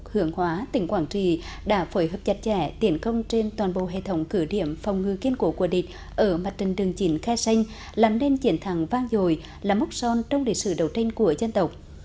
hưởng hóa tỉnh quảng trì đã phối hợp chặt chẽ tiện công trên toàn bộ hệ thống cửa điểm phòng ngư kiên cổ của địch ở mặt trình đường chỉnh khai xanh làm nên triển thẳng vang dồi làm mốc son trong lịch sử đầu tranh của dân tộc